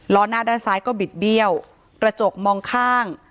ล้อหน้าด้านซ้ายก็บิดเบี้ยวกระจกมองข้าง